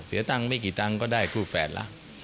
เสียตังค์ไม่กี่ตังค์ก็ได้คู่แฝดละ